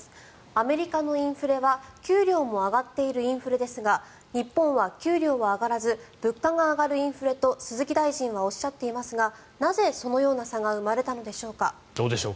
アメリカのインフレは給料も上がっているインフレですが日本は給料は上がらず物価が上がるインフレと鈴木大臣はおっしゃっていますがなぜ、そのような差が生まれたのでしょうか。